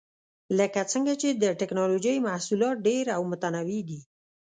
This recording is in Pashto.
لکه څنګه چې د ټېکنالوجۍ محصولات ډېر او متنوع دي.